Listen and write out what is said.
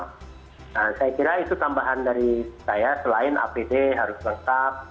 nah saya kira itu tambahan dari saya selain apd harus lengkap